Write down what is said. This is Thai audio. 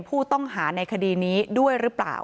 ผู้ต้องหาในคดีนี้ด้วยหรือเปล่า